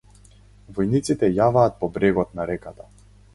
Војниците јаваат по брегот на реката.